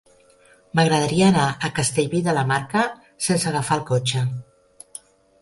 M'agradaria anar a Castellví de la Marca sense agafar el cotxe.